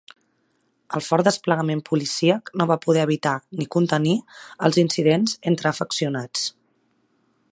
El fort desplegament policíac no va poder evitar, ni contenir, els incidents entre afeccionats.